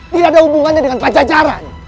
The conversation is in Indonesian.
tidak ada hubungannya dengan pajajaran